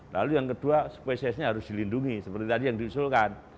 lalu yang kedua spesiesnya harus dilindungi seperti tadi yang diusulkan